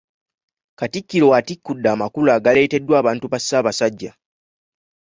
Katikkiro atikudde amakula agaaleeteddwa abantu ba Ssaabasajja.